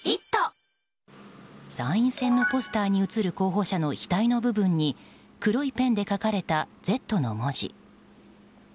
参院選のポスターに写る候補者の額の上に黒いペンで書かれた「Ｚ」の文字。